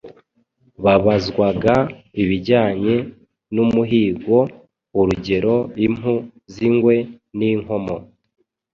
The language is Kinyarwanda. babazwaga ibijyanye n'umuhigo, urugero impu z'ingwe n'inkomo